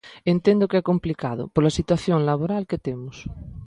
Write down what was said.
Entendo que é complicado, pola situación laboral que temos.